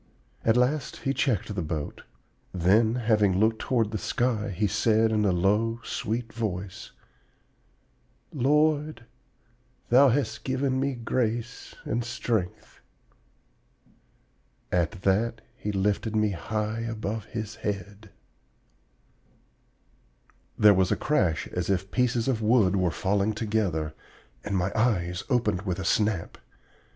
At last he checked the boat; then, having looked toward the sky, he said in a low, sweet voice, 'Lord, Thou hast given me grace and strength.' At that he lifted me high above his head " There was a crash as if pieces of wood were falling together and my eyes opened with a snap.